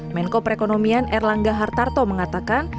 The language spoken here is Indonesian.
menko perekonomian erlangga hartarto mengatakan